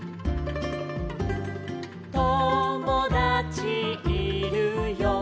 「ともだちいるよ」